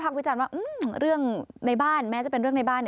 วิจารณ์ว่าเรื่องในบ้านแม้จะเป็นเรื่องในบ้าน